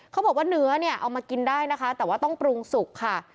เขาบอกว่าเนื้อเนี่ยเอามากินได้นะคะแต่ว่าต้องปรุงสุกค่ะ